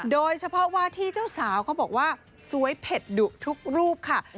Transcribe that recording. โดยเฉพาะว่าที่เจ้าสาวเขาบอกว่าสวยเผ็ดดุทุกรูปค่ะ